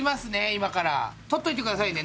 今から撮っといてくださいね